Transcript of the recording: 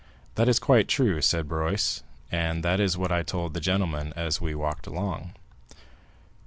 "That is quite true," said Barrois; "and that is what I told the gentleman as we walked along."